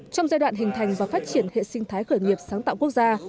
trong giai đoạn hình thành và phát triển hệ sinh thái khởi nghiệp sáng tạo quốc gia